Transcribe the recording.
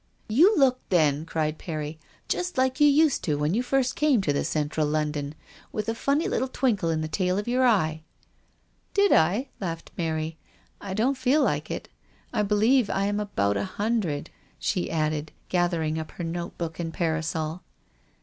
" You looked then," cried Perry, " just like you used to when you first came to the Central London, with a funny little twinkle in the tail of your eye." " Did I ?" laughed Mary. " I don't feel like it. I believe I'm about a hundred," she added, gathering up her note book and parasol.